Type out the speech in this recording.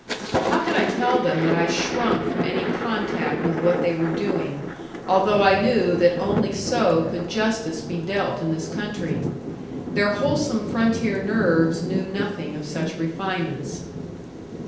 How could I tell them that I shrunk from any contact with what they were doing, although I knew that only so could justice be dealt in this country? Their wholesome frontier nerves knew nothing of such refinements.